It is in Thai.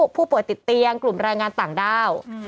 ผู้ป่วยติดเตียงกลุ่มแรงงานต่างด้าว